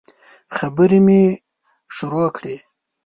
خبري مي شروع کړې !